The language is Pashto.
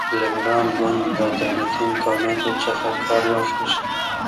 لېبرال ګوند له دولتي امکاناتو څخه کار واخیست.